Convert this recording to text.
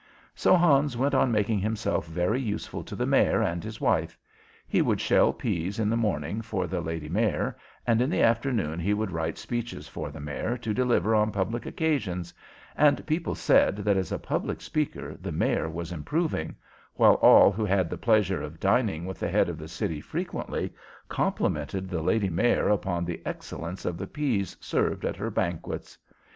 So Hans went on making himself very useful to the Mayor and his wife. He would shell pease in the morning for the Lady Mayor, and in the afternoon he would write speeches for the Mayor to deliver on public occasions; and people said that as a public speaker the Mayor was improving, while all who had the pleasure of dining with the head of the city frequently complimented the Lady Mayor upon the excellence of the pease served at her banquets.